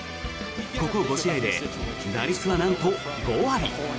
ここ５試合で打率はなんと５割。